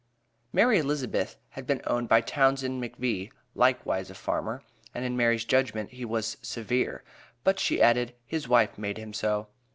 Mary Elizabeth had been owned by Townsend McVee (likewise a farmer), and in Mary's judgment, he was "severe," but she added, "his wife made him so."